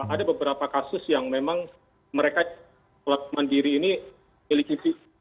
ada beberapa kasus yang memang mereka keluar mandiri ini